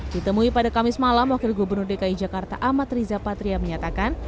ditemui pada kamis malam wakil gubernur dki jakarta amat riza patria menyatakan